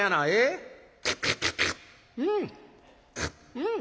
うん！